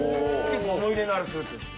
結構思い入れのあるスーツです。